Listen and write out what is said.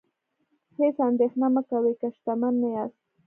هیڅ اندیښنه مه کوئ که شتمن نه یاست.